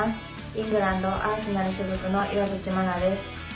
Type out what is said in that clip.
イングランドアーセナル所属の岩渕真奈です。